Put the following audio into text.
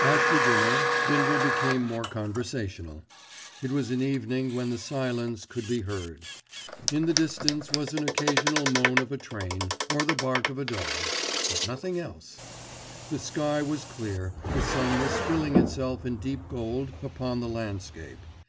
After dinner Bindle became more conversational. It was an evening when the silence could be heard. In the distance was an occasional moan of a train, or the bark of a dog; but nothing else. The sky was clear, the sun was spilling itself in deep gold upon the landscape.